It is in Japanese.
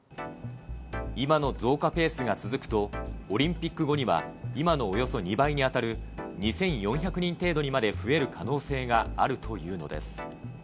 今の増加ペースが続くと、オリンピック後には今のおよそ２倍に当たる２４００人程度にまで増える可能性があるというのです。